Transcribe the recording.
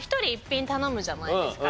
じゃないですか。